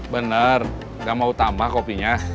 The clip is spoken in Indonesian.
bener gak mau tambah kopinya